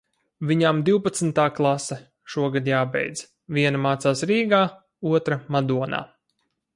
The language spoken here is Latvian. Viņām divpadsmitā klase šogad jābeidz. Viena mācās Rīgā, otra - Madonā.